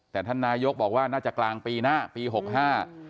แต่ท่านนายกบอกว่าน่าจะกลางปีหน้าปีหกห้า